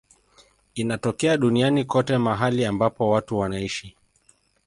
Inatokea duniani kote mahali ambapo watu wanaishi.